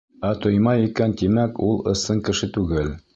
Ә тоймай икән, тимәк, ул ысын кеше түгел.